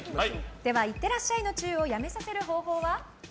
では、いってらっしゃいのチューをやめさせる方法は？